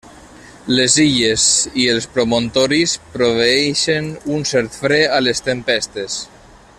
Les illes i els promontoris proveeixen un cert fre a les tempestes.